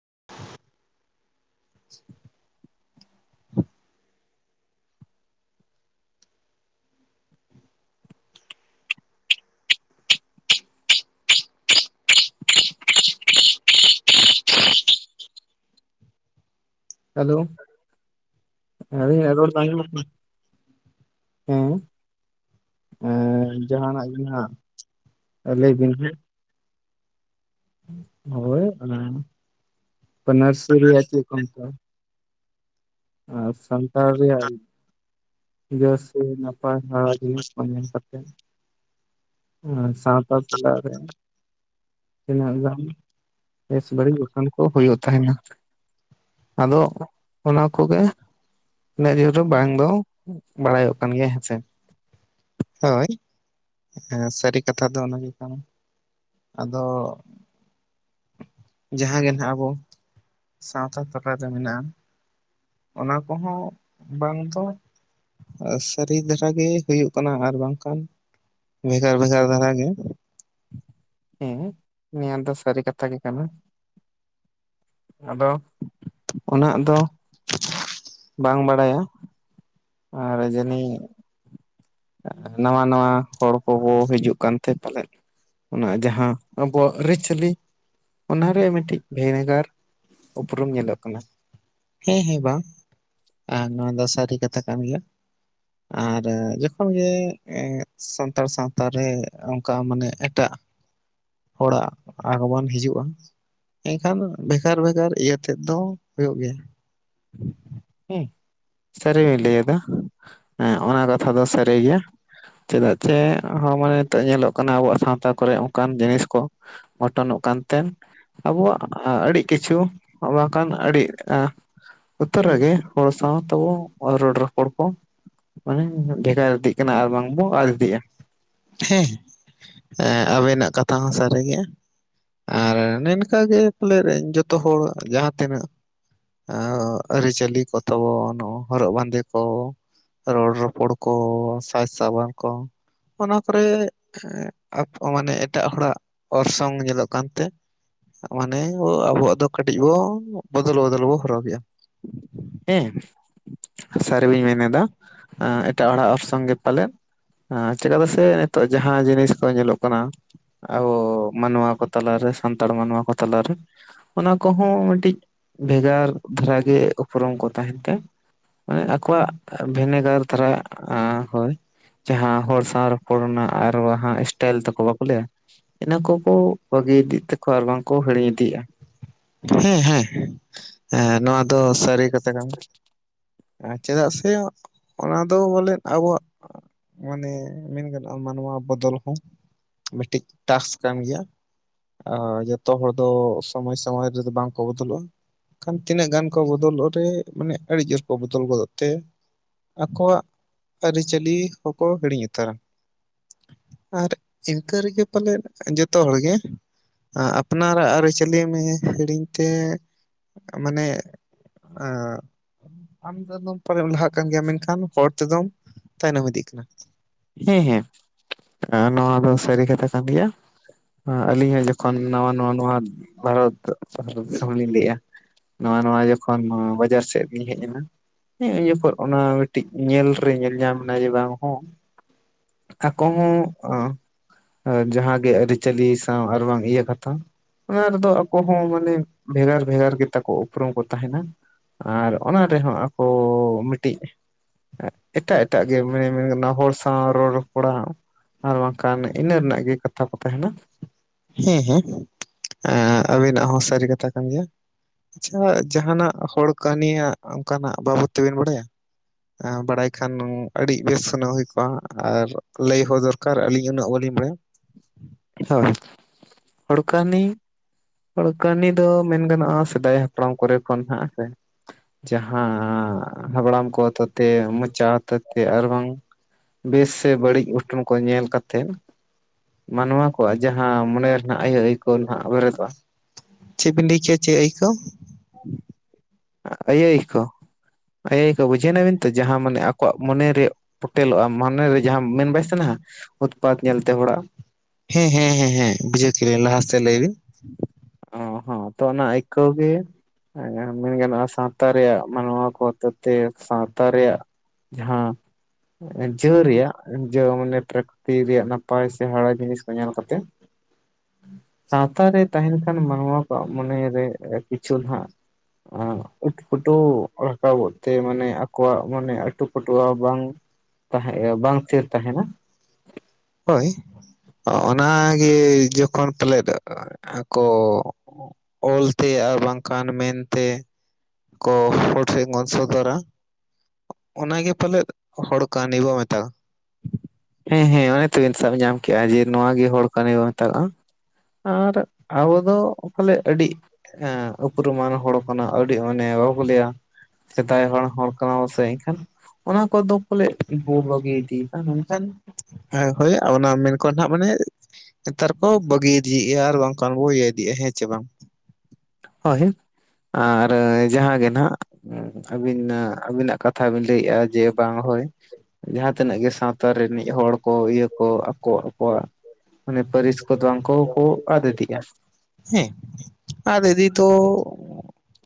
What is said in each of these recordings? [inaudible] [inaudible] [unintelligible] [inaudible] ᱦᱮᱸ ᱡᱟᱦᱟᱱᱟᱜ ᱤᱭᱟ ᱟᱜ ᱠᱟᱱᱟ ᱞᱟᱹᱭ ᱵᱤᱱ ᱦᱟᱜ ᱦᱳᱭ [inaudible] ᱱᱟᱨᱥᱨᱤ ᱟᱜ [inaudible] ᱟᱨ ᱥᱟᱱᱛᱟᱲ ᱨᱮᱭᱟᱜ ᱡᱚ ᱥᱮ ᱱᱟᱯᱟᱭ ᱦᱟᱜ ᱡᱤᱱᱤᱥ ᱠᱚ ᱧᱮᱞ ᱠᱟᱛᱮ ᱟᱨ ᱥᱟᱶᱛᱟ ᱛᱟᱞᱟ ᱨᱮ ᱛᱤᱱᱟᱹᱜ ᱜᱟᱱ ᱵᱮᱥ ᱵᱟᱹᱲᱤᱡ ᱜᱷᱚᱴᱚᱱ ᱠᱚ ᱦᱩᱭᱩᱜ ᱛᱟᱦᱮᱱᱟ᱾ ᱟᱫᱚ ᱠᱚᱜᱮ ᱱᱤᱡᱮ ᱫᱚ ᱵᱟᱝ ᱫᱚ ᱵᱟᱲᱟᱭᱚᱜ ᱠᱟᱱ ᱜᱮᱭᱟ ᱦᱮᱸᱥᱮ ᱦᱳᱭ ᱥᱟᱹᱨᱤ ᱠᱟᱛᱷᱟ ᱫᱚ ᱚᱱᱟᱜᱮ ᱠᱟᱱᱟ᱾ ᱟᱫᱚ ᱡᱟᱦᱟᱸᱜ ᱜᱮ ᱱᱟᱦᱟᱜ ᱟᱵᱚ ᱥᱟᱶᱛᱟ ᱛᱟᱞᱟ ᱨᱮ ᱢᱮᱱᱟᱜ-ᱟ᱾ ᱚᱱᱟ ᱠᱚᱦᱚᱸ ᱵᱟᱝ ᱫᱚ ᱥᱟᱹᱨᱤ ᱫᱷᱟᱨᱟ ᱜᱮ ᱦᱩᱭᱩᱜ ᱠᱟᱱᱟ ᱟᱨ ᱵᱟᱝᱠᱷᱟᱱ ᱵᱷᱮᱜᱟᱨ ᱵᱷᱮᱜᱟᱨ ᱫᱷᱟᱨᱟ ᱜᱮ᱾ ᱦᱮᱸ ᱱᱤᱭᱟᱹ ᱫᱚ ᱥᱟᱹᱨᱤ ᱠᱟᱛᱷᱟ ᱜᱮ ᱠᱟᱱᱟ᱾ [unintelligible] ᱵᱟᱝ ᱵᱟᱲᱟᱭᱟ ᱟᱨ ᱡᱟᱹᱱᱤᱡ ᱱᱟᱣᱟ ᱱᱟᱣᱟ ᱦᱚᱲ ᱠᱚᱵᱚ ᱦᱤᱡᱩᱜ ᱠᱟᱱ ᱛᱮ ᱯᱟᱞᱮᱫ᱾ ᱚᱱᱟ ᱡᱟᱦᱟᱸ ᱟᱵᱚᱣᱟᱜ ᱟᱹᱨᱤᱪᱟᱹᱞᱤ ᱚᱱᱟ ᱨᱮᱭᱟᱜ ᱢᱤᱫᱴᱤᱡ ᱵᱷᱮᱜᱮᱜᱟᱨ ᱩᱯᱨᱩᱢ ᱧᱮᱞᱚᱜ ᱠᱟᱱᱟ᱾ ᱦᱮᱸ ᱦᱮᱸ ᱵᱟᱝ ᱱᱚᱣᱟ ᱫᱚ ᱥᱟᱹᱨᱤ ᱠᱟᱛᱷᱟ ᱠᱟᱱ ᱜᱮᱭᱟ ᱟᱨ [inaudible] ᱮ ᱥᱟᱱᱛᱟᱲ ᱥᱟᱶᱛᱟ ᱨᱮ ᱚᱱᱠᱟ ᱢᱟᱱᱮ ᱮᱴᱟᱜ ᱦᱚᱲᱟᱜ ᱟᱜᱚᱢᱟᱱ ᱦᱤᱡᱩᱜ-ᱟ᱾ ᱮᱱᱠᱷᱟᱱ ᱵᱷᱮᱜᱟᱨ ᱵᱷᱮᱜᱟᱨ ᱤᱭᱟᱹ ᱛᱮᱫ ᱫᱚ ᱦᱩᱭᱩᱜ ᱜᱮᱭᱟ᱾ ᱦᱮᱸ ᱥᱟᱹᱨᱤ ᱜᱮ ᱞᱟᱹᱭ ᱮᱫᱟ ᱦᱮᱸ ᱚᱱᱟ ᱠᱟᱛᱷᱟ ᱫᱚ ᱥᱟᱹᱨᱤ ᱜᱮᱭᱟ᱾ ᱪᱮᱫᱟᱜ ᱪᱮ ᱦᱚᱸ ᱢᱟᱱᱮ ᱱᱤᱛᱚᱜ ᱧᱮᱞᱚᱜ ᱠᱟᱱᱟ ᱟᱵᱚᱣᱟᱜ ᱥᱟᱶᱛᱟ ᱠᱚᱨᱮ ᱚᱱᱠᱟᱱ ᱡᱤᱱᱤᱥ ᱠᱚ, ᱜᱷᱚᱴᱚᱱᱚᱜ ᱠᱟᱱᱛᱮ᱾ ᱟᱵᱚᱣᱟᱜ ᱟᱹᱰᱤ ᱠᱤᱪᱷᱩ ᱵᱟᱝ ᱠᱷᱟᱱ ᱟᱹᱰᱤ ᱩᱛᱟᱹᱨ ᱜᱮ ᱦᱚᱲ ᱥᱟᱶ ᱛᱟᱵᱚ ᱨᱚᱲ ᱨᱚᱯᱚᱲ ᱠᱚ ᱢᱟᱱᱮ ᱵᱷᱮᱜᱟᱨ ᱤᱫᱤ ᱠᱟᱱᱟ ᱟᱨ ᱵᱟᱝᱵᱚᱱ ᱟᱫ ᱤᱫᱤᱜ-ᱟ᱾ ᱦᱮᱸ ᱟᱵᱮᱱᱟᱜ ᱠᱟᱛᱷᱟ ᱦᱚᱸ ᱥᱟᱹᱨᱤ ᱜᱮᱭᱟ᱾ ᱟᱨ ᱱᱚᱝᱠᱟᱜᱮ ᱯᱟᱞᱮ ᱡᱚᱛᱚ ᱦᱚᱲ ᱡᱟᱦᱟᱸ ᱛᱤᱱᱟᱹᱜ ᱟᱹᱨᱤ ᱪᱟᱹᱞᱤ ᱠᱚ ᱛᱟᱵᱚᱱ, ᱦᱚᱨᱚᱜ ᱵᱟᱸᱫᱮ ᱠᱚ, ᱨᱚᱲ ᱨᱚᱯᱚᱲ ᱠᱚ, ᱥᱟᱡᱽ ᱥᱟᱵᱟᱱ ᱠᱚ, ᱚᱱᱟ ᱠᱚᱨᱮ [inaudible] ᱢᱟᱱᱮ ᱮᱴᱟᱜ ᱦᱚᱲᱟᱜ ᱚᱨᱥᱚᱝ ᱧᱮᱞᱚᱜ ᱠᱟᱱᱛᱮ ᱢᱟᱱᱮ ᱟᱵᱚᱣᱟᱜ ᱫᱚ ᱠᱟᱹᱴᱤᱡ ᱵᱚ ᱵᱚᱫᱚᱞ ᱵᱚᱫᱚᱞ ᱵᱚ ᱦᱚᱨᱚᱜ ᱜᱮᱭᱟ᱾ ᱦᱮᱸ᱾ ᱥᱟᱹᱨᱤ ᱵᱤᱱ ᱢᱮᱱ ᱮᱫᱟ᱾ ᱮᱴᱟᱜ ᱦᱚᱲᱟᱜ ᱚᱨᱥᱚᱝ ᱜᱮ ᱯᱟᱞᱮᱫ ᱪᱤᱠᱟ ᱛᱮ ᱥᱮ ᱱᱤᱛᱚᱜ ᱡᱟᱦᱟᱸ ᱡᱤᱱᱤᱥ ᱠᱚ ᱧᱮᱞᱚᱜ ᱠᱟᱱᱟ᱾ ᱟᱵᱚ ᱢᱟᱱᱣᱟ ᱠᱚ ᱛᱟᱞᱟ ᱨᱮ ᱥᱟᱱᱛᱟᱲ ᱢᱟᱱᱣᱟ ᱠᱚ ᱛᱟᱞᱟ ᱨᱮ, ᱚᱱᱟ ᱠᱚᱦᱚᱸ ᱢᱤᱫᱴᱤᱡ ᱵᱷᱮᱜᱟᱨ ᱫᱷᱟᱨᱟ ᱜᱮ ᱩᱯᱨᱩᱢ ᱠᱚ ᱛᱟᱦᱮᱱ ᱛᱮ᱾ ᱢᱟᱱᱮ ᱟᱠᱚᱣᱟᱜ ᱵᱷᱮᱱᱮᱜᱟᱨ ᱫᱷᱟᱨᱟ ᱦᱳᱭ᱾ ᱡᱟᱦᱟᱸ ᱦᱚᱲ ᱥᱟᱶ ᱨᱚᱯᱚᱲ ᱨᱮᱱᱟᱜ ᱟᱨ ᱮᱥᱴᱟᱭᱤᱞ ᱛᱟᱠᱚ ᱵᱟᱠᱚ ᱞᱟᱹᱭᱟ ᱤᱱᱟᱹ ᱠᱚᱠᱚ ᱵᱟᱹᱜᱤ ᱤᱫᱤ ᱮᱫ ᱛᱟᱠᱚᱣᱟ ᱟᱨ ᱵᱟᱝ ᱠᱚ ᱦᱤᱲᱤᱧ ᱤᱫᱤᱭᱮᱭᱟ᱾ ᱦᱮᱸ ᱦᱮᱸ, ᱱᱚᱣᱟ ᱫᱚ ᱥᱟᱹᱨᱤ ᱠᱟᱛᱷᱟ ᱠᱟᱱ ᱜᱮᱭᱟ᱾ ᱪᱮᱫᱟᱜ ᱥᱮ ᱚᱱᱟ ᱫᱚ ᱵᱚᱞᱮ ᱟᱵᱚᱣᱟᱜ ᱢᱟᱱᱮ ᱢᱮᱱ ᱜᱟᱱᱚᱜᱼᱟ᱾ ᱢᱟᱱᱣᱟ ᱵᱚᱫᱚᱞ ᱦᱚᱸ ᱢᱤᱫᱴᱤᱡ ᱴᱟᱥᱠ ᱠᱟᱱ ᱜᱮᱭᱟ᱾ ᱟᱨ ᱡᱚᱛᱚ ᱦᱚᱲ ᱫᱚ ᱥᱚᱢᱚᱭ ᱥᱚᱢᱚᱭ ᱨᱮᱫᱚ ᱵᱟᱝ ᱠᱚ ᱵᱚᱫᱚᱞᱚᱜᱼᱟ᱾ ᱠᱷᱟᱱ ᱛᱤᱱᱟᱹᱜ ᱜᱟᱱ ᱠᱚ ᱵᱚᱫᱚᱞᱚᱜ ᱨᱮ ᱢᱟᱱᱮ ᱟᱹᱰᱤ ᱡᱳᱨ ᱠᱚ ᱵᱚᱫᱚᱞ ᱜᱚᱫᱚᱜ ᱛᱮ ᱟᱠᱚᱣᱟᱜ ᱟᱹᱨᱤᱪᱟᱹᱞᱤ ᱦᱚᱸᱠᱚ ᱦᱤᱲᱤᱧ ᱩᱛᱟᱹᱨᱟ᱾ ᱟᱨ ᱤᱱᱠᱟᱹ ᱨᱮᱜᱮ ᱯᱟᱞᱮᱱ ᱡᱚᱛᱚ ᱦᱚᱲ ᱜᱮ ᱟᱯᱱᱟᱨᱟᱜ ᱟᱹᱨᱤᱪᱟᱹᱞᱤ ᱦᱤᱲᱤᱧ ᱛᱮ ᱢᱟᱱᱮ ᱟ [unintelligible] ᱢᱟᱱᱮ ᱞᱟᱦᱟᱜ ᱠᱟᱱ ᱜᱮᱭᱟ, ᱢᱮᱱᱠᱷᱟᱱ ᱦᱚᱲ ᱛᱮᱫᱚᱢ ᱛᱟᱭᱱᱚᱢ ᱤᱫᱤᱜ ᱠᱟᱱᱟ᱾ ᱦᱮᱸ ᱦᱮᱸ, ᱱᱚᱣᱟ ᱫᱚ ᱥᱟᱹᱨᱤ ᱠᱟᱛᱷᱟ ᱠᱟᱱ ᱜᱮᱭᱟ᱾ ᱟᱹᱞᱤᱧ ᱦᱚᱸ ᱡᱚᱠᱷᱚᱱ ᱱᱟᱣᱟ ᱱᱟᱣᱟ ᱱᱚᱣᱟ ᱵᱷᱟᱨᱚᱛ ᱞᱤᱧ ᱞᱟᱹᱭᱮᱜᱼᱟ᱾ ᱱᱟᱣᱟ ᱱᱟᱣᱟ ᱡᱚᱠᱷᱚᱱ ᱵᱟᱡᱟᱨ ᱥᱮᱫ ᱞᱤᱧ ᱦᱮᱡ ᱮᱱᱟ᱾ ᱦᱮᱸ ᱤᱱᱟᱹᱯᱚᱨ ᱚᱱᱟ ᱢᱤᱫᱴᱤᱡ ᱧᱮᱞ ᱨᱮ ᱧᱮᱞ ᱧᱟᱢ ᱮᱱᱟ ᱡᱮ ᱵᱟᱝ ᱦᱚᱸ ᱟᱠᱚ ᱦᱚᱸ ᱡᱟᱦᱟᱸᱜᱮ ᱟᱹᱨᱤᱪᱟᱹᱞᱤ ᱥᱟᱶ ᱟᱨᱵᱟᱝ ᱤᱭᱟᱹ ᱠᱟᱛᱷᱟ ᱚᱱᱟ ᱨᱮᱫᱚ ᱟᱠᱚ ᱦᱚᱸ ᱢᱟᱱᱮ ᱵᱷᱮᱜᱟᱨ ᱵᱷᱮᱜᱟᱨ ᱜᱮ ᱛᱟᱠᱚ ᱩᱯᱨᱩᱢ ᱠᱚ ᱛᱟᱦᱮᱱᱟ ᱟᱨ ᱚᱱᱟ ᱨᱮᱦᱚᱸ ᱟᱠᱚ ᱢᱤᱫᱴᱤᱡ ᱮᱴᱟᱜ ᱮᱴᱟᱜ ᱜᱮ ᱢᱟᱱᱮ ᱢᱮᱱ ᱜᱟᱱᱚᱜ ᱦᱚᱲ ᱥᱟᱶ ᱨᱚᱲ ᱨᱚᱯᱚᱲᱟᱜ ᱟᱨ ᱵᱟᱝᱠᱷᱟᱱ ᱤᱱᱟᱹ ᱨᱮᱱᱟᱜ ᱜᱮ ᱠᱟᱛᱷᱟ ᱠᱚ ᱛᱟᱦᱮᱱᱟ᱾ ᱦᱮᱸ ᱦᱮᱸ, ᱟᱹᱵᱤᱱᱟᱜ ᱦᱚᱸ ᱥᱟᱹᱨᱤ ᱠᱟᱛᱷᱟ ᱠᱟᱱ ᱜᱮᱭᱟ᱾ ᱟᱪᱪᱷᱟ, ᱡᱟᱦᱟᱱᱟᱜ ᱦᱚᱲ ᱠᱟᱹᱦᱱᱤᱭᱟᱜ, ᱚᱱᱠᱟ ᱱᱟᱜ ᱵᱟᱵᱚᱫ ᱛᱮᱵᱤᱱ ᱵᱟᱲᱟᱭᱟ? ᱵᱟᱲᱟᱭ ᱠᱷᱟᱱ ᱟᱹᱰᱤ ᱵᱮᱥ ᱥᱱᱚᱜ ᱦᱩᱭ ᱠᱚᱜᱼᱟ ᱟᱨ ᱞᱟᱹᱭ ᱦᱚᱸ ᱫᱚᱨᱠᱟᱨ ᱟᱹᱞᱤᱧ ᱩᱱᱟᱹᱜ ᱵᱟᱹᱞᱤᱧ ᱵᱟᱲᱟᱭᱟ᱾ ᱦᱳᱭ, ᱦᱚᱲ ᱠᱟᱦᱟᱱᱤ [inaudible] ᱦᱚᱲ ᱠᱟᱹᱦᱱᱤ ᱫᱚ ᱢᱮᱱ ᱜᱟᱱᱚᱜᱼᱟ, ᱥᱮᱫᱟᱭ ᱦᱟᱯᱲᱟᱢ ᱠᱚᱨᱮ ᱠᱷᱚᱱ ᱦᱟᱸᱜ ᱥᱮ ᱡᱟᱦᱟᱸ ᱦᱟᱯᱲᱟᱢ ᱠᱚ ᱦᱚᱛᱮ ᱛᱮ, ᱢᱚᱪᱟ ᱦᱚᱛᱮ ᱛᱮ ᱟᱨ ᱵᱟᱝ ᱵᱮᱥ ᱥᱮ ᱵᱟᱹᱲᱤᱡ ᱜᱷᱚᱴᱚᱱ ᱠᱚ ᱧᱮᱞ ᱠᱟᱛᱮᱫ ᱢᱟᱱᱣᱟ ᱠᱚᱣᱟᱜ ᱡᱟᱦᱟᱸ ᱢᱚᱱᱮ ᱨᱮ ᱟᱭᱳ ᱟᱹᱭᱠᱟᱹᱣᱟᱜ ᱵᱮᱨᱮᱫᱚᱜᱼᱟ᱾ ᱪᱮᱫ ᱵᱤᱱ ᱞᱟᱹᱭ ᱠᱮᱼᱟ? ᱪᱮᱫ ᱟᱹᱭᱠᱟᱹᱣ ᱚᱭᱟᱹ ᱟᱭᱹᱠᱟᱹᱣ᱾ ᱟᱭ ᱠᱚ ᱵᱩᱡᱷᱟᱹᱣ ᱛᱟᱵᱤᱱ ᱛᱚ ᱡᱟᱦᱟᱸ ᱢᱟᱱᱮ ᱟᱠᱚᱣᱟᱜ ᱢᱚᱱᱮ ᱨᱮ ᱯᱚᱴᱮᱞᱚᱜᱼᱟ, ᱢᱚᱱᱮᱨᱮ ᱡᱟᱦᱟᱸ ᱢᱮᱱ ᱵᱟᱭ ᱥᱟᱱᱟ ᱩᱛᱯᱟᱛ ᱧᱮᱞ ᱛᱮ ᱦᱚᱲᱟᱜ ᱦᱮᱸ ᱦᱮᱸ ᱦᱮ ᱦᱮᱸ ᱵᱩᱡᱷᱟᱹᱣ ᱠᱮ ᱟᱞᱤᱧ ᱞᱟᱦᱟ ᱥᱮᱫ ᱞᱟᱹᱭ ᱵᱤᱱ᱾ [unintelligible] ᱦᱚᱛᱮ ᱛᱮ ᱥᱟᱶᱛᱟ ᱨᱮᱭᱟᱜ ᱡᱟᱦᱟᱸ ᱡᱟ. ᱨᱮᱭᱟᱜ ᱡᱟ. ᱢᱟᱱᱮ ᱯᱮᱨᱟᱠᱤᱛᱤᱠ ᱨᱮᱭᱟᱜ ᱱᱟᱯᱟᱭ ᱥᱮ ᱦᱟᱲᱟ ᱡᱤᱱᱤᱥ ᱠᱚ ᱧᱮᱞ ᱠᱟᱛᱮᱜ, [unintelligible] ᱥᱟᱶᱛᱟ ᱨᱮ ᱛᱟᱦᱮᱱ ᱠᱷᱟᱱ ᱢᱟᱱᱣᱟ ᱠᱚᱣᱟᱜ ᱢᱚᱱᱮᱨᱮ ᱠᱤᱪᱷᱩ ᱱᱟᱸᱜ ᱚ ᱟᱩᱴ ᱯᱟᱹᱴᱩ ᱨᱟᱠᱟᱵᱚᱜ ᱛᱮ ᱢᱟᱱᱮ ᱟᱠᱚᱣᱟᱜ ᱢᱟᱱᱮ ᱟᱴᱩ ᱯᱟᱹᱴᱩᱼᱟ ᱵᱟᱝ ᱛᱟᱦᱮᱸ ᱵᱟᱝ ᱛᱷᱤᱨ ᱛᱟᱦᱮᱱᱟ᱾ ᱦᱳᱭ ᱾ ᱚᱱᱟᱜᱮ ᱡᱚᱠᱷᱚᱱ ᱯᱟᱞᱮᱫ ᱟᱠᱚ ᱚᱞᱛᱮ ᱟᱨ ᱵᱟᱝᱠᱷᱟᱱ ᱢᱮᱱᱛᱮ, ᱠᱚ ᱦᱚᱲ ᱥᱮᱫ ᱵᱚᱱ ᱥᱚᱫᱚᱨᱟ, ᱚᱱᱟᱜᱮ ᱯᱟᱞᱮᱫ ᱦᱚᱲ ᱠᱟᱦᱟᱱᱤ ᱵᱚ ᱢᱮᱛᱟᱜ-ᱟ ᱾ ᱦᱮᱸ ᱦᱮᱸ ᱚᱱᱮ ᱛᱚᱵᱤᱱ ᱥᱟᱵ ᱧᱟᱢ ᱠᱮᱫᱟ ᱡᱮ ᱱᱚᱣᱟ ᱜᱮ ᱦᱚᱲ ᱠᱟᱹᱦᱱᱤ ᱵᱚ ᱢᱮᱛᱟᱜᱟᱜᱼᱟ ᱾ ᱟᱨ ᱟᱵᱚ ᱫᱚ ᱯᱟᱞᱮ ᱟᱹᱰᱤ ᱩᱯᱨᱩᱢᱟᱱ ᱦᱚᱲ, ᱠᱷᱟᱱ ᱟᱹᱰᱤ ᱢᱟᱱᱮ ᱵᱟᱠᱚ ᱞᱟᱹᱭᱟ ᱥᱮᱫᱟᱭ ᱦᱚᱲ ᱦᱚᱲ ᱠᱟᱱᱟ ᱵᱚᱱ ᱥᱮ, ᱮᱱᱠᱷᱟᱱ ᱚᱱᱟ ᱠᱚᱫᱚ ᱯᱟᱞᱮ ᱵᱟᱹᱜᱤᱭ ᱢᱮᱱᱠᱷᱟᱱ ᱦᱳᱭ ᱚᱱᱟ ᱢᱮᱱᱠᱷᱟᱱ ᱱᱟᱜ ᱢᱟᱱᱮ ᱱᱮᱛᱟᱨ ᱠᱚ ᱵᱟᱹᱜᱤ ᱤᱫᱤᱭᱮᱫᱼᱟ ᱟᱨ ᱵᱟᱝᱠᱷᱟᱱ [unintelligible] ᱤᱭᱟᱹ ᱤᱫᱤᱜᱼᱟ ᱦᱮᱸ ᱪᱮ ᱵᱟᱝ, ᱦᱳᱭ ᱟᱨ ᱡᱟᱦᱟᱸᱜ ᱜᱮ ᱱᱟᱦᱟᱜ, [unintelligible] ᱟᱹᱵᱤᱱᱟᱜ ᱟᱹᱵᱤᱱᱟᱜ ᱠᱟᱛᱷᱟ ᱵᱤᱱ ᱞᱟᱹᱭᱮᱫᱼᱟ ᱡᱮ ᱵᱟᱝ ᱦᱳᱭ ᱡᱟᱦᱟᱸ ᱛᱤᱱᱟᱹᱜ ᱜᱮ ᱥᱟᱶᱛᱟ ᱨᱤᱱᱤᱡ ᱦᱚᱲ ᱠᱚ ᱤᱭᱟᱹ ᱠᱚ ᱟᱠᱚ ᱟᱠᱚᱣᱟᱜ ᱢᱟᱱᱮ ᱯᱟᱹᱨᱤᱥ ᱠᱚᱫᱚ ᱩᱱᱠᱩ ᱠᱚ ᱟᱫᱽ ᱤᱫᱤᱜᱼᱟ ᱾ ᱦᱮᱸ ᱟᱫ ᱤᱫᱤ ᱛᱚ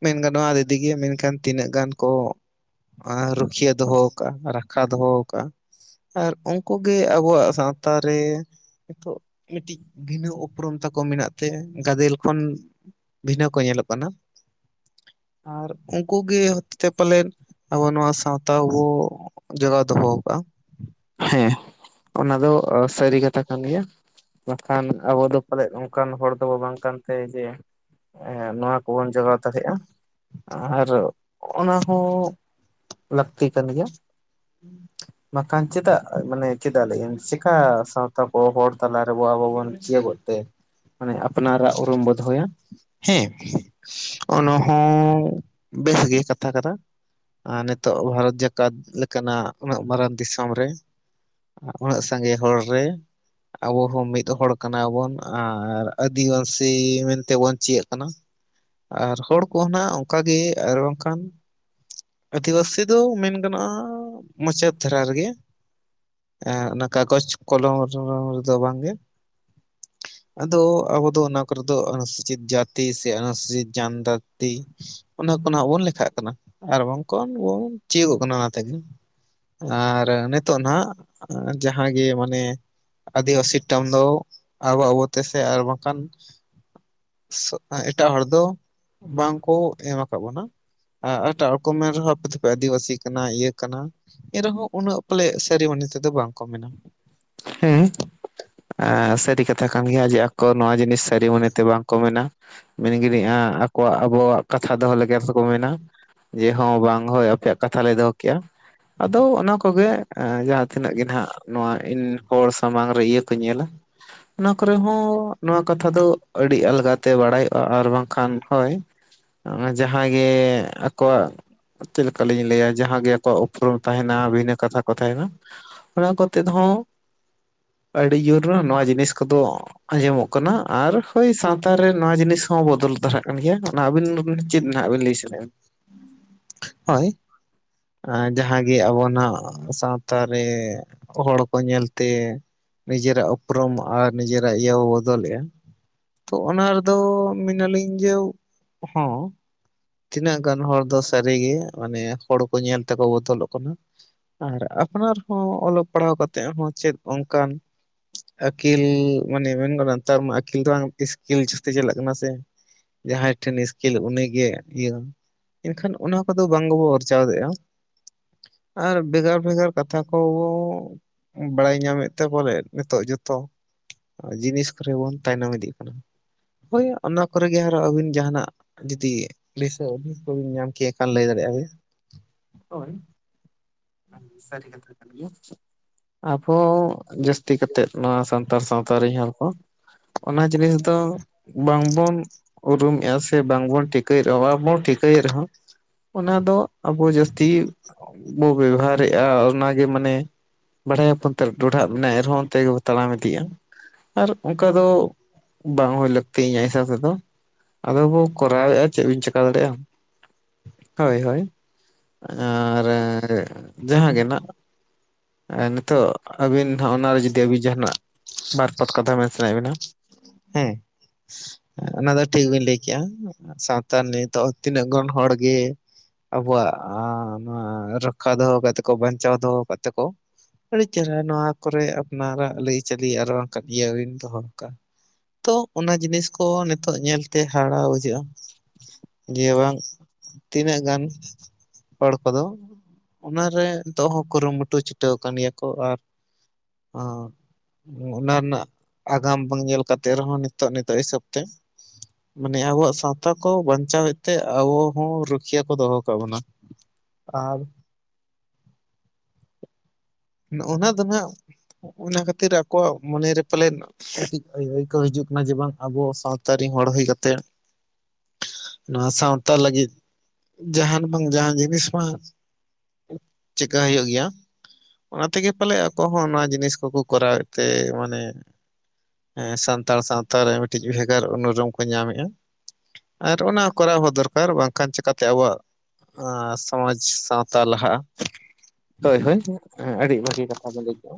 ᱢᱮᱱ ᱜᱟᱱᱚᱜᱼᱟ ᱟᱫ ᱤᱫᱤ ᱜᱮ, ᱢᱮᱱᱠᱷᱟᱱ ᱛᱤᱱᱟᱹᱜ ᱜᱟᱱ ᱠᱚ ᱨᱩᱠᱷᱤᱭᱟᱹ ᱫᱚᱦᱚ ᱠᱟᱜᱼᱟ ᱨᱟᱠᱷᱟ ᱫᱚᱦᱚ ᱠᱟᱜᱼᱟ ᱾ ᱟᱨ ᱩᱱᱠᱩ ᱜᱮ ᱟᱵᱚᱣᱟᱜ ᱥᱟᱶᱛᱟ ᱨᱮ ᱱᱤᱛᱚᱜ ᱢᱤᱫᱴᱤᱡ ᱵᱤᱱᱟᱹ ᱩᱯᱨᱩᱢ ᱛᱟᱠᱚ ᱢᱮᱱᱟᱜ ᱛᱮ ᱜᱟᱫᱮᱞ ᱠᱷᱚᱱ ᱵᱷᱤᱱᱟᱹ ᱠᱚ ᱧᱮᱞᱚᱜ ᱠᱟᱱᱟ ᱾ ᱟᱨ ᱩᱱᱠᱩ ᱜᱮ ᱦᱚᱛᱮ ᱛᱮ ᱯᱟᱞᱮᱱ ᱟᱵᱚ ᱱᱚᱣᱟ ᱥᱟᱶ ᱛᱟᱣ ᱵᱚ ᱡᱚᱜᱟᱣ ᱫᱚᱦᱚ ᱟᱠᱟᱜᱼᱟ ᱾ ᱦᱮᱸ ᱚᱱᱟ ᱫᱚ ᱥᱟᱹᱨᱤ ᱠᱟᱛᱷᱟ ᱠᱟᱱ ᱜᱮᱭᱟ ᱾ ᱵᱟᱠᱷᱟᱱ ᱟᱵᱚ ᱫᱚ ᱯᱟᱞᱮᱫ ᱚᱝᱠᱟᱱ ᱦᱚᱲ ᱫᱚᱵᱚ ᱵᱟᱝ ᱠᱟᱱ ᱛᱮ ᱡᱮ ᱮᱻ ᱱᱚᱣᱟ ᱠᱚᱵᱚᱱ ᱡᱚᱜᱟᱣ ᱫᱟᱲᱮᱭᱟᱜᱼᱟ ᱟᱨ ᱦᱚᱸ ᱱᱟ-ᱦᱚ [unintelligible] ᱢᱟᱱᱮ ᱪᱮᱫᱟᱜ ᱞᱟᱹᱭᱮᱫ ᱤᱧ ᱪᱤᱠᱟ ᱥᱟᱶᱛᱟ ᱠᱚ ᱦᱚᱲ ᱛᱟᱞᱟ ᱨᱮᱵᱚ ᱟᱵᱚ ᱵᱚᱱ ᱪᱤᱭᱟᱹ ᱵᱚᱜ ᱛᱮ, ᱦᱮᱸ ᱚᱱᱟ ᱦᱚᱸ ᱵᱮᱥ ᱜᱮ ᱠᱟᱛᱷᱟ ᱠᱟᱱᱟ, ᱟᱨ ᱱᱤᱛᱚᱜ ᱵᱷᱟᱨᱚᱛ ᱡᱟᱠᱟᱛ ᱠᱟᱱᱟ ᱩᱱᱟᱹᱜ ᱢᱟᱨᱟᱝ ᱫᱤᱥᱚᱢ ᱨᱮ ᱾ ᱩᱱᱟᱹᱜ ᱥᱟᱸᱜᱮ ᱦᱚᱲ ᱨᱮ ᱟᱵᱚ ᱦᱚᱸ ᱢᱤᱫ ᱦᱚᱲ ᱠᱟᱱᱟ ᱵᱚᱱ ᱟᱨ ᱟᱹᱫᱤᱵᱟᱹᱥᱤ ᱢᱮᱱᱛᱮ ᱵᱚᱱ ᱪᱤᱭᱟᱹᱜ ᱠᱟᱱᱟ ᱾ ᱟᱨ ᱦᱚᱲ ᱠᱚ ᱦᱚᱸ ᱱᱟᱜ ᱚᱱᱠᱟᱜ ᱜᱮ ᱟᱨ ᱵᱟᱝᱠᱷᱟᱱ ᱟᱹᱫᱤᱵᱟᱹᱥᱤ ᱫᱚ ᱢᱮᱱ ᱜᱟᱱᱚᱜᱼᱟ ᱢᱩᱪᱟᱹᱫ ᱫᱷᱟᱨᱟ ᱨᱮᱜᱮ, ᱮᱻ ᱚᱱᱟ ᱠᱟᱜᱚᱡ ᱠᱚᱞᱚᱢ ᱨᱮᱫᱚ ᱵᱟᱝᱜᱮ ᱾ ᱟᱫᱚ ᱟᱵᱚ ᱫᱚ ᱚᱱᱟ ᱠᱚ ᱨᱮ ᱫᱚ ᱚᱱᱩᱥᱩᱪᱤᱛ ᱡᱟᱛᱤ ᱥᱮ ᱚᱱᱩᱥᱩᱪᱤᱛ ᱡᱟᱱ ᱡᱟᱛᱤ ᱚᱱᱟ ᱠᱚ ᱱᱟᱜ ᱵᱚᱱ ᱞᱮᱠᱷᱟᱜ ᱠᱟᱱᱟ ᱾ ᱟᱨ ᱵᱟᱝ [unintelligible] ᱪᱤᱭᱟᱹᱜᱚᱜ ᱠᱟᱱᱟ ᱚᱱᱟ [unintelligible] ᱟᱨ ᱱᱤᱛᱚᱜ ᱱᱟᱜ ᱡᱟᱦᱟᱸ ᱜᱮ ᱢᱟᱱᱮ ᱟᱹᱫᱤᱵᱟᱹᱥᱤ ᱴᱟᱨᱢ ᱫᱚ ᱟᱵᱚ ᱟᱵᱚ ᱛᱮ ᱟᱨ ᱵᱟᱝᱠᱷᱟᱱ ᱮᱴᱟᱜ ᱦᱚᱲ ᱫᱚ ᱵᱟᱝ ᱠᱚ ᱮᱢᱟ [unintelligible] ᱢᱮᱱ ᱨᱮᱦᱚᱸ ᱟᱯᱮ ᱫᱚ ᱯᱮ ᱟᱹᱫᱤᱵᱟᱹᱥᱤ ᱠᱟᱱᱟ ᱤᱭᱟᱹ ᱠᱟᱱᱟ᱾ ᱮᱱ ᱨᱮᱦᱚᱸ ᱩᱱᱟᱹᱜ ᱯᱟᱞᱮ ᱥᱟᱹᱨᱤ ᱢᱚᱱᱮ ᱛᱮᱫᱚ ᱵᱟᱝᱠᱚ ᱢᱮᱱᱟ᱾ ᱦᱮᱸ [inaudible] ᱟᱻ ᱥᱟᱹᱨᱤ ᱠᱟᱛᱷᱟ ᱠᱟᱱ ᱜᱮᱭᱟ ᱡᱮ ᱟᱠᱚ ᱱᱚᱣᱟ ᱡᱤᱱᱤᱥ ᱥᱟᱹᱨᱤ ᱢᱚᱱᱮᱛᱮ ᱵᱟᱝᱠᱚ ᱢᱮᱱᱟ ᱢᱮᱱ ᱜᱟᱹᱱᱤᱜ-ᱟ ᱟᱠᱚᱣᱟᱜ ᱟᱵᱚᱣᱟᱜ ᱠᱟᱛᱷᱟ ᱫᱚᱦᱚ ᱛᱮᱠᱚ ᱢᱮᱱᱟ ᱡᱮ ᱦᱚᱸ ᱵᱟᱝ ᱦᱳᱭ ᱟᱯᱮᱭᱟᱜ ᱠᱟᱛᱷᱟ ᱞᱮ ᱫᱚᱦᱚ ᱠᱮᱜ-ᱟ᱾ ᱟᱫᱚ ᱚᱱᱟ ᱠᱚᱜᱮ ᱡᱟᱦᱟᱸ ᱛᱤᱱᱟᱹᱜ ᱜᱮ ᱱᱟᱜ ᱱᱚᱣᱟ ᱦᱚᱲ ᱥᱟᱢᱟᱝ ᱨᱮ ᱤᱭᱟᱹ ᱦᱩᱸ ᱚᱱᱟ ᱠᱚᱨᱮ ᱦᱚᱸ ᱱᱚᱣᱟ ᱠᱟᱛᱷᱟ ᱫᱚ ᱟᱹᱰᱤ ᱟᱞᱜᱟᱛᱮ ᱵᱟᱲᱟᱭᱚᱜ-ᱟ ᱟᱨ ᱵᱟᱝᱠᱷᱟᱱ ᱦᱳᱭ ᱡᱟᱦᱟᱸ ᱜᱮ ᱟᱠᱚᱣᱟᱜ ᱪᱮᱫ ᱞᱮᱠᱟᱞᱤᱧ ᱞᱟᱹᱭᱟ ᱡᱟᱦᱟᱸ ᱜᱮ ᱟᱠᱚᱣᱟᱜ ᱩᱯᱨᱩᱢ ᱛᱟᱦᱮᱸᱱᱟ ᱵᱷᱤᱱᱟᱹ ᱠᱟᱛᱷᱟ ᱠᱚ ᱛᱟᱦᱮᱸᱱᱟ ᱚᱱᱟ ᱠᱚᱛᱮᱫ ᱦᱚᱸ ᱟᱹᱰᱤ ᱡᱳᱨ ᱱᱚᱣᱟ ᱡᱤᱱᱤᱥ ᱠᱚᱫᱚ ᱟᱸᱡᱚᱢᱚᱜ ᱠᱟᱱᱟ ᱟᱨ ᱦᱳᱭ ᱥᱟᱶᱛᱟ ᱨᱮ ᱱᱚᱣᱟ ᱡᱤᱱᱤᱥ ᱦᱚᱸ ᱵᱚᱫᱚᱞ ᱫᱷᱟᱨᱟᱜ ᱠᱟᱱ ᱜᱮᱭᱟ ᱚᱱᱟ ᱟᱹᱵᱤᱱ ᱪᱮᱫ ᱦᱟᱸᱜ ᱵᱤᱱ ᱞᱟᱹᱭ ᱥᱟᱱᱟᱭᱮᱫ ᱵᱤᱱ ᱦᱳᱭ ᱡᱟᱦᱟᱸᱜᱮ ᱟᱵᱚᱱᱟᱜ ᱥᱟᱶᱛᱟ ᱨᱮ ᱦᱚᱲ ᱠᱚ ᱧᱮᱞᱛᱮ ᱱᱤᱡᱮᱨᱟᱜ ᱩᱯᱨᱩᱢ ᱟᱨ ᱱᱤᱡᱮᱨᱟᱜ ᱤᱭᱟᱹ ᱵᱚ ᱵᱚᱫᱚᱞᱮᱜ-ᱟ᱾ ᱛᱚ ᱚᱱᱟ ᱨᱮᱫᱚ ᱢᱮᱱᱟᱞᱤᱧ ᱡᱮ ᱦᱚᱸ ᱛᱤᱱᱟᱹᱜ ᱜᱟᱱ ᱦᱚᱲ ᱫᱚ ᱥᱟᱹᱨᱤ ᱜᱮ ᱢᱟᱱᱮ ᱦᱚᱲ ᱠᱚ ᱧᱮᱞ ᱛᱮᱠᱚ ᱵᱚᱫᱚᱞᱚᱜ ᱠᱟᱱᱟ᱾ ᱟᱨ ᱟᱯᱱᱟᱨ ᱦᱚᱸ ᱚᱞᱚᱜ ᱯᱟᱲᱦᱟᱣ ᱠᱟᱛᱮᱫ ᱦᱚᱸ ᱪᱮᱫ ᱚᱝᱠᱟᱱ ᱟᱹᱠᱤᱞ ᱢᱟᱱᱮ ᱢᱮᱱ ᱜᱟᱱᱚᱜ ᱱᱮᱛᱟᱨ ᱢᱟ ᱟᱹᱠᱤᱞ ᱫᱚ ᱵᱟᱝ ᱤᱥᱠᱤᱞ ᱡᱟᱹᱥᱛᱤ ᱪᱟᱞᱟᱜ ᱠᱟᱱᱟ ᱥᱮ ᱡᱟᱦᱟᱸᱭ ᱴᱷᱮᱱ ᱤᱥᱠᱤᱞ ᱩᱱᱤ ᱜᱮ ᱤᱭᱟᱹ ᱮᱱᱠᱷᱟᱱ ᱚᱱᱟ ᱠᱚᱫᱚ ᱵᱟᱝ ᱜᱮᱵᱚ ᱟᱨᱪᱟᱣ ᱫᱮᱜ-ᱟ ᱟᱨ ᱵᱷᱮᱜᱟᱨ ᱵᱷᱮᱜᱟᱨ ᱠᱟᱛᱷᱟ ᱠᱚ ᱵᱟᱲᱟᱭ ᱧᱟᱢᱮᱫ ᱛᱮ ᱵᱚᱞᱮ ᱱᱤᱛᱚᱜ ᱡᱚᱛᱚ ᱡᱤᱱᱤᱥ ᱠᱚᱨᱮ ᱵᱚᱱ ᱛᱟᱭᱱᱚᱢ ᱤᱫᱤ ᱠᱟᱱᱟ᱾ ᱦᱳᱭ ᱚᱱᱟ ᱠᱚᱨᱮ ᱜᱮ ᱟᱨᱚ ᱟᱹᱵᱤᱱ ᱡᱟᱦᱟᱱᱟᱜ ᱡᱩᱫᱤ ᱟᱹᱤᱥ ᱠᱚᱵᱤᱱ ᱧᱟᱢ ᱠᱷᱟᱱ ᱞᱟᱹᱭ ᱫᱟᱲᱮᱭᱟᱜ-ᱟ ᱵᱤᱱ ᱥᱟᱹᱨᱤ ᱠᱟᱛᱷᱟ ᱠᱟᱱᱟ ᱟᱵᱚ ᱡᱟᱹᱥᱛᱤ ᱠᱟᱛᱮᱫ ᱱᱚᱣᱟ ᱥᱟᱱᱛᱟᱲ ᱥᱟᱶᱛᱟ ᱨᱮᱱᱤ ᱦᱚᱲ ᱠᱚ ᱚᱱᱟ ᱡᱤᱱᱤᱥ ᱫᱚ ᱵᱟᱝᱵᱚᱱ ᱩᱨᱩᱢᱮᱫ-ᱟ ᱥᱮ ᱵᱟᱝᱵᱚᱱ ᱴᱷᱤᱠ ᱷᱤᱠᱟᱹᱭ ᱨᱮᱦᱚᱸ ᱵᱟᱵᱚᱱ ᱴᱷᱤᱠᱟᱹᱭᱮᱫ ᱨᱮᱦᱚᱸ ᱚᱱᱟ ᱫᱚ ᱟᱵᱚ ᱡᱟᱹᱥᱛᱤ ᱵᱚᱜᱮ ᱵᱮᱵᱟᱨᱮᱫ-ᱟ ᱚᱱᱟᱜᱮ ᱢᱟᱱᱮ ᱵᱟᱲᱦᱟᱭᱭᱟᱯᱚᱱᱛᱮ ᱰᱚᱰᱷᱟᱜ ᱢᱮ ᱮ ᱨᱮᱦᱚᱸ ᱚᱱᱛᱮ ᱜᱮᱵᱚᱱ ᱛᱟᱲᱟᱢ ᱤᱫᱤᱜ-ᱟ᱾ ᱟᱨ ᱚᱱᱠᱟ ᱫᱚ ᱵᱟᱝ ᱦᱩᱭ ᱞᱟᱹᱠᱛᱤ ᱤᱧᱟᱹᱜ ᱦᱤᱥᱟᱹᱵ ᱛᱮᱫᱚ᱾ ᱟᱫᱚ ᱵᱚ ᱠᱚᱨᱟᱣᱮᱫ-ᱟ ᱪᱮᱫ ᱵᱤᱱ ᱪᱮᱠᱟᱹ ᱫᱟᱲᱮᱭᱟᱜ-ᱟ᱾ ᱦᱳᱭ ᱦᱳᱭ ᱟᱨ ᱡᱟᱦᱟᱸ ᱜᱮ ᱱᱟᱦᱟᱜ ᱟᱨ ᱱᱤᱛᱚᱜ ᱟᱹᱵᱤᱱ ᱚᱱᱟᱨᱮ ᱡᱩᱫᱤ ᱟᱹᱵᱤᱱ ᱡᱟᱦᱟᱱᱟᱜ ᱵᱟᱨ ᱯᱮ ᱠᱟᱛᱷᱟ ᱢᱮᱱ ᱥᱟᱱᱟᱭᱮᱫ ᱵᱤᱱᱟ ᱦᱩᱸ ᱚᱱᱟ ᱫᱚ ᱴᱷᱤᱠ ᱵᱤᱱ ᱞᱟᱹᱭ ᱠᱮᱫᱮᱜ-ᱟ ᱥᱟᱶᱛᱟ ᱱᱤᱛᱚᱜ ᱛᱤᱱᱟᱹᱜ ᱜᱟᱱ ᱦᱚᱲᱜᱮ ᱟᱵᱚᱣᱟᱜ ᱱᱚᱣᱟ ᱨᱚᱠᱠᱷᱟ ᱫᱚᱦᱚ ᱠᱟᱛᱮ ᱠᱚ ᱵᱟᱧᱪᱟᱣ ᱫᱚᱦᱚ ᱠᱟᱜ ᱛᱮᱠᱚ ᱟᱹᱰᱤ ᱪᱮᱦᱨᱟ ᱱᱚᱣᱟ ᱠᱚᱨᱮ ᱟᱯᱱᱟᱨᱟᱜ ᱟᱹᱨᱤᱪᱟᱹᱞᱤ ᱟᱨᱚ ᱚᱱᱠᱟ ᱤᱭᱟᱹ ᱵᱤᱱ ᱫᱚᱦᱚ ᱠᱟᱜ-ᱟ ᱛᱚ ᱚᱱᱟ ᱡᱤᱱᱤᱥ ᱠᱚ ᱱᱤᱛᱚᱜ ᱧᱮᱞᱛᱮ ᱦᱟᱦᱟᱨᱟ ᱵᱩᱡᱷᱟᱹᱜ-ᱟ᱾ ᱡᱮ ᱵᱟᱝ ᱛᱤᱱᱟᱹᱜ ᱜᱟᱱ ᱦᱚᱲ ᱠᱚᱫᱚ ᱚᱱᱟᱨᱮ ᱱᱤᱛᱚᱜ ᱦᱚᱸ ᱠᱩᱨᱩᱢᱩᱴᱩ ᱪᱷᱩᱴᱟᱹᱣ ᱟᱠᱟᱱ ᱜᱮᱭᱟ ᱠᱚ ᱟᱨ ᱚᱱᱟ ᱨᱮᱱᱟᱜ ᱟᱜᱟᱢ ᱵᱟᱝ ᱧᱮᱞ ᱠᱟᱛᱮ ᱨᱮᱦᱚᱸ ᱱᱤᱛᱚᱜ ᱱᱤᱛᱚᱜ ᱦᱤᱥᱟᱹᱵ ᱛᱮ, ᱢᱟᱱᱮ ᱟᱵᱚᱣᱟᱜ ᱥᱟᱶ ᱛᱟ ᱠᱚ ᱵᱟᱧᱪᱟᱣᱮᱫ ᱛᱮ ᱟᱵᱚ ᱦᱚᱸ ᱨᱩᱠᱷᱤᱭᱟᱹ ᱠᱚ ᱫᱚᱦᱚ ᱠᱟᱜ ᱵᱚᱱᱟ, ᱟᱨ ᱱᱚᱜᱼᱱᱟ ᱫᱚ ᱱᱟᱸᱜ ᱚᱱᱟ ᱠᱷᱟᱹᱛᱤᱨ ᱟᱠᱚᱣᱟᱜ ᱢᱚᱱᱮᱨᱮ ᱯᱟᱞᱮᱱ ᱠᱟᱹᱴᱤᱡᱹ ᱟᱱᱠᱟᱣ ᱦᱤᱡᱩᱜ ᱠᱟᱱᱟ ᱡᱮ ᱵᱟᱝ ᱟᱵᱚ ᱥᱟᱶ ᱥᱟᱶᱛᱟ ᱨᱮᱱ ᱦᱚᱲ ᱦᱩᱭ ᱠᱟᱛᱮᱜ ᱱᱚᱣᱟ ᱥᱟᱶᱛᱟ ᱞᱟᱹᱜᱤᱫ ᱡᱟᱸᱦᱟᱱ ᱵᱟᱝ ᱡᱟᱦᱟᱸ ᱡᱤᱱᱤᱥ ᱢᱟ ᱪᱤᱠᱟ ᱦᱩᱭᱩᱜ ᱜᱮᱭᱟ᱾ ᱚᱱᱟ ᱛᱮᱜᱮ ᱯᱟᱞᱮ ᱟᱠᱚ ᱦᱚᱸ ᱱᱚᱣᱟ ᱡᱤᱱᱤᱥ ᱠᱚᱠᱚ ᱠᱚᱨᱟᱣᱮᱫ ᱛᱮ ᱢᱟᱱᱮ ᱦᱮᱸ ᱥᱟᱱᱛᱟᱲ ᱥᱟᱶᱛᱟ ᱨᱮ ᱢᱤᱫᱴᱤᱡ ᱵᱷᱮᱜᱟᱨ ᱩᱱᱩᱨᱢ ᱠᱚ ᱧᱟᱢ ᱮᱜᱼᱟ᱾ ᱟᱨ ᱚᱱᱟ ᱠᱚᱨᱟᱣ ᱦᱚᱸ ᱫᱚᱨᱠᱟᱨ ᱵᱟᱝᱠᱷᱟᱱ ᱪᱤᱠᱟᱹᱛᱮ ᱟᱵᱚᱣᱟᱜ ᱟᱨ ᱥᱚᱢᱟᱡ ᱥᱟᱶᱛᱟ ᱞᱟᱦᱟᱜᱼᱟ᱾ ᱮᱸᱜ ᱟᱹᱰᱤ ᱵᱷᱟᱹᱜᱤ ᱠᱟᱛᱷᱟ ᱵᱮᱱ ᱞᱟᱹᱭ ᱠᱮᱜᱼᱟ᱾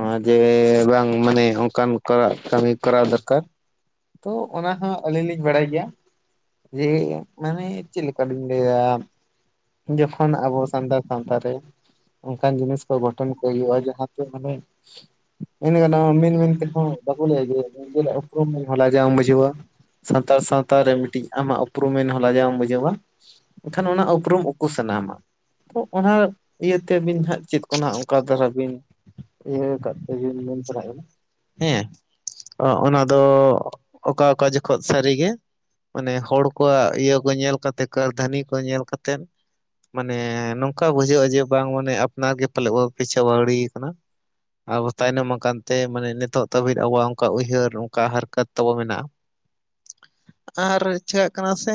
ᱚᱸ ᱡᱮ ᱵᱟᱝ ᱢᱟᱱᱮ ᱚᱱᱠᱟᱱ ᱠᱚ ᱠᱟᱹᱢᱤ ᱠᱚᱨᱟᱣ ᱫᱚᱨᱠᱟᱨ᱾ ᱛᱚ ᱚᱱᱟ ᱦᱚᱸ ᱟᱹᱞᱤᱧ ᱞᱤᱧ ᱵᱟᱲᱟᱭ ᱜᱮᱭᱟ ᱡᱮ ᱢᱟᱱᱮ ᱪᱮᱫᱞᱮᱠᱟ ᱵᱤᱱ ᱞᱟᱹᱭᱟ, ᱡᱚᱠᱷᱚᱱ ᱟᱵᱚ ᱥᱟᱱᱛᱟᱲ ᱥᱟᱶᱛᱟᱨᱮ ᱚᱱᱠᱟᱱ ᱡᱤᱱᱤᱥ ᱠᱚ ᱜᱷᱚᱴᱚᱱ ᱠᱚ ᱦᱩᱭᱩᱜᱼᱟ, ᱡᱟᱦᱟᱸᱛᱮ [unintelligible] ᱚᱱᱮ ᱚᱱᱟ ᱢᱮᱱ ᱢᱮᱱ ᱛᱮᱠᱚ ᱵᱟᱠᱚ ᱞᱟᱹᱭ ᱡᱮ ᱱᱤᱡᱮᱨᱟᱜ ᱩᱯᱨᱩᱢ ᱦᱚ ᱞᱟᱡᱟᱣᱮᱢ ᱵᱩᱡᱷᱟᱹᱣᱼᱟ᱾ ᱥᱟᱱᱛᱟᱲ ᱥᱟᱶᱛᱟ ᱨᱮ ᱢᱤᱫᱴᱤᱡ ᱟᱢᱟᱜ ᱩᱯᱨᱩᱢᱮᱢ ᱦᱚᱸ ᱞᱟᱡᱟᱣᱢ ᱮᱢ ᱵᱩᱡᱷᱟᱹᱣᱟ᱾ ᱮᱠᱷᱟᱱ ᱚᱱᱟ ᱩᱯᱨᱩᱢᱠᱚ ᱥᱟᱨᱦᱟᱣᱟ᱾ ᱚᱱᱟ ᱤᱭᱟᱹ ᱛᱮ [unintelligible] [unintelligible] ᱦᱮᱸ᱾ ᱚᱸᱜ ᱚᱱᱟ ᱫᱚ ᱚᱠᱟ ᱚᱠᱟ ᱡᱚᱠᱷᱚᱡ ᱥᱟᱹᱨᱤᱜᱮ, ᱢᱟᱱᱮ ᱦᱚᱲ ᱠᱚᱣᱟᱜ ᱤᱭᱟᱹ ᱠᱚ ᱧᱮᱞ ᱠᱟᱛᱮᱫ ᱠᱟᱨᱫᱷᱟᱹᱱᱤ ᱠᱚ ᱧᱮᱞ ᱠᱟᱛᱮᱫ, ᱢᱟᱱᱮ ᱱᱚᱝᱠᱟ ᱵᱩᱡᱷᱟᱹᱜᱼᱟ ᱡᱮ ᱵᱟᱝ ᱢᱟᱱᱮ ᱟᱯᱱᱟᱨ ᱜᱮ ᱯᱟᱞᱮᱱ ᱯᱤᱪᱷᱣ ᱵᱟᱹᱣᱰᱤ ᱠᱟᱱᱟ᱾ ᱟᱵᱚ ᱛᱟᱭᱱᱚᱢ ᱠᱟᱱᱛᱮ ᱢᱟᱱᱮ ᱱᱤᱛᱚᱜ ᱛᱟᱹᱵᱤᱡ ᱟᱵᱚᱣᱟᱜ ᱚᱱᱠᱟ ᱩᱭᱦᱟᱹᱨ ᱚᱠᱟ ᱦᱟᱨᱠᱟᱛ ᱛᱟᱵᱚ ᱢᱮᱱᱟᱜᱼᱟ, ᱟᱨ ᱪᱤᱠᱟᱜ ᱠᱟᱱᱟ ᱥᱮ